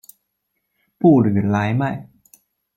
布吕莱迈。